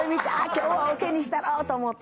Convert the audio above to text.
今日は桶にしたろ！と思って。